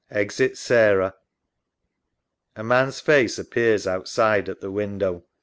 {Exit Sarah. A man's face appears outside at the window.